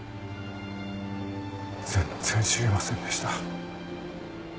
全然知りませんでした。